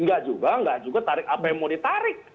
tidak juga tidak juga tarik apa yang mau ditarik